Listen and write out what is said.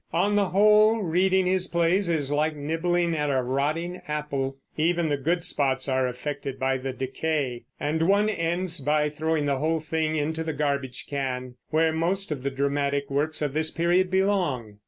On the whole, reading his plays is like nibbling at a rotting apple; even the good spots are affected by the decay, and one ends by throwing the whole thing into the garbage can, where most of the dramatic works of this period belong.